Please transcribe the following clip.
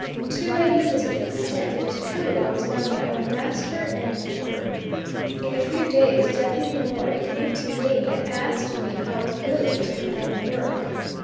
To a limited extent, it is true, I was now my own master and keeper. In a few days Deputy Morey came to me and asked me if I was "willing" to come out and work.